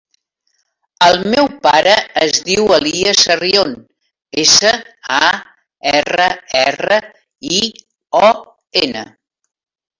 El meu pare es diu Elías Sarrion: essa, a, erra, erra, i, o, ena.